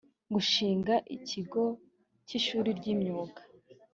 gushinga ikigo cy ishuri ry imyuga